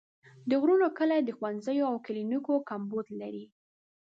د غرونو کلي د ښوونځیو او کلینیکونو کمبود لري.